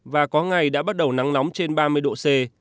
và có ngày đã bắt đầu nắng nóng trên ba mươi độ c